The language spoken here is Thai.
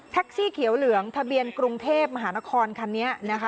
สีเขียวเหลืองทะเบียนกรุงเทพมหานครคันนี้นะคะ